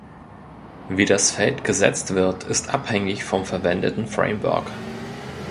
Wie das Feld gesetzt wird, ist abhängig vom verwendeten Framework.